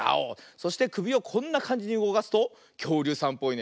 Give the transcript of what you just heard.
そしてくびをこんなかんじにうごかすときょうりゅうさんっぽいね。